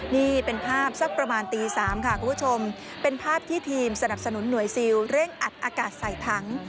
นี่เป็นภาพสักประมาณตี๓ค่ะคุณผู้ชมเป็นภาพที่ทีมสนับสนุนหน่วยซิลเร่งอัดอากาศใส่ถัง